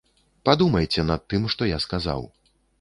Падумайце над тым, што я сказаў.